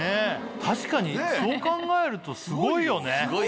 確かにそう考えるとすごいよね。